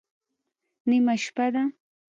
_نيمه شپه ده.